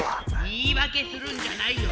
言いわけするんじゃないよ。